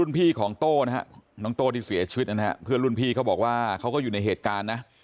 พี่ของโต้นะฮะน้องโต้ที่เสียชีวิตนะฮะเพื่อนรุ่นพี่เขาบอกว่าเขาก็อยู่ในเหตุการณ์นะ